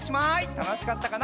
たのしかったかな？